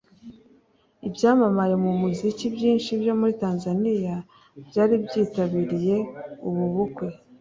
ibyamamare mu muziki byinshi byo muri Tanzania byari byitabiriye ubu bukwe